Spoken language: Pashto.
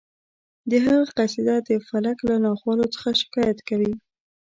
د هغه قصیده د فلک له ناخوالو څخه شکایت کوي